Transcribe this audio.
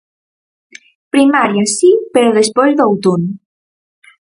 Primarias, si, pero despois do outono.